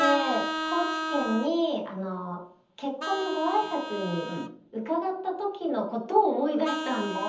高知県に結婚のご挨拶に伺った時のことを思い出したんですよね。